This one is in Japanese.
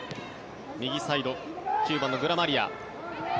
右サイド、９番のグラマリア。